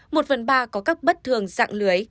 một phần ba có các bất thường dạng lưới